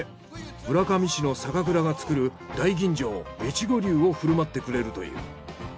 村上市の酒蔵が造る大吟醸越後流を振る舞ってくれるという。